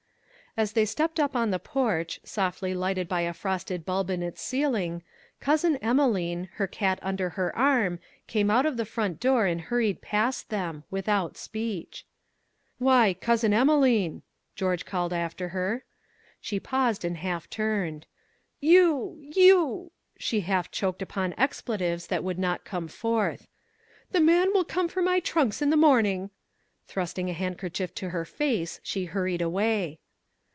As they stepped up on the porch, softly lighted by a frosted bulb in its ceiling, Cousin Emelene, her cat under her arm, came out of the front door and hurried past them, without speech. "Why, Cousin Emelene!" George called after her. She paused and half turned. "You you " she half choked upon expletives that would not come forth. "The man will come for my trunks in the morning." Thrusting a handkerchief to her face, she hurried away.